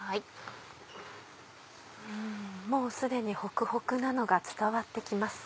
もう既にホクホクなのが伝わって来ます。